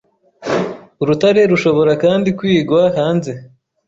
Urutare rushobora kandi kwigwa hanze